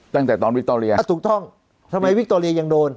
ตั้งแต่ตอนวิคโตเรียถูกต้องทำไมวิคโตเรียยังโดน